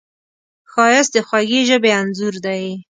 ښایست د خوږې ژبې انځور دی